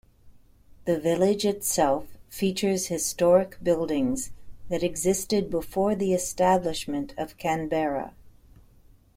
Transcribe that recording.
The village itself features historic buildings that existed before the establishment of Canberra.